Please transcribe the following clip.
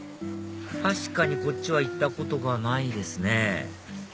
確かにこっちは行ったことがないですね